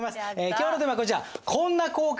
今日のテーマはこちら。